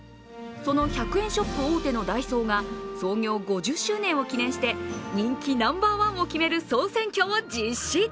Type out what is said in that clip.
その１００円ショップ大手のダイソーが創業５０周年を記念して人気ナンバーワンを決める総選挙を実施。